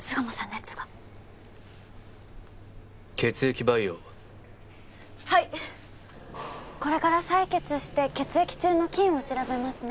熱が血液培養はいっこれから採血して血液中の菌を調べますね